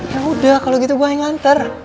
yaudah kalau gitu gue hanya nganter